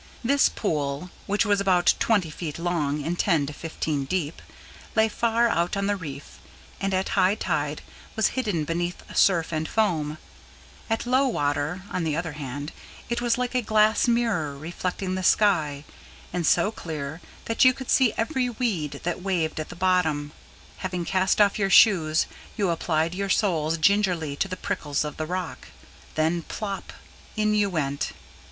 This pool, which was about twenty feet long and ten to fifteen deep, lay far out on the reef, and, at high tide, was hidden beneath surf and foam; at low water, on the other hand, it was like a glass mirror reflecting the sky, and so clear that you could see every weed that waved at the bottom. Having cast off your shoes, you applied your soles gingerly to the prickles of the rock; then plop! and in you went.